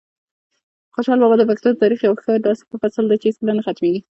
خوشحال بابا د پښتنو د تاریخ یو داسې فصل دی چې هیڅکله نه ختمېږي.